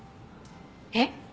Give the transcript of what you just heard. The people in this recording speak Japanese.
えっ？